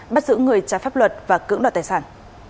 bắt giữ người trả pháp luật và cững đoạt tài sản